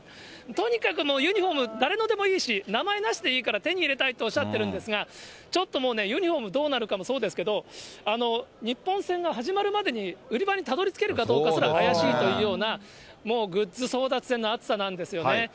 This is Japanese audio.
とにかくもうユニホーム、誰のでもいいし、名前なしでいいから、手に入れたいとおっしゃってるんですが、ちょっともうね、ユニホームどうなるかもそうですけど、日本戦が始まるまでに売り場にたどりつけるかどうかすら怪しいというような、もうグッズ争奪戦の熱さなんですよね。